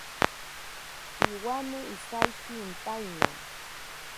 Piwane isaiki intaina.